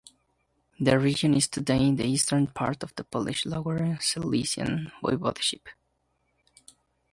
The region is today the eastern part of the Polish Lower Silesian Voivodeship.